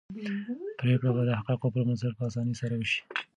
پرېکړه به د حقایقو پر بنسټ په اسانۍ سره وشي.